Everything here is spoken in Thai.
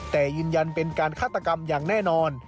แต่ยืนยันเป็นการฆาตกรรมอย่างแน่นอน